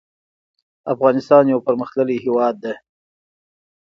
افغانستان يو پرمختللی هيواد ده